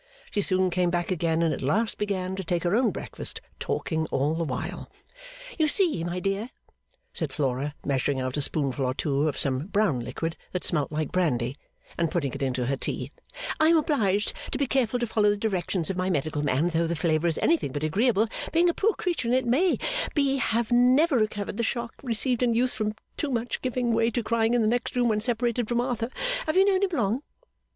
She soon came back again; and at last began to take her own breakfast, talking all the while. 'You see, my dear,' said Flora, measuring out a spoonful or two of some brown liquid that smelt like brandy, and putting it into her tea, 'I am obliged to be careful to follow the directions of my medical man though the flavour is anything but agreeable being a poor creature and it may be have never recovered the shock received in youth from too much giving way to crying in the next room when separated from Arthur, have you known him long?